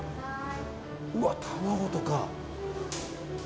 うわ、卵とか。